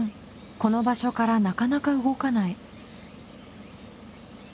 この場所からなかなか動かない。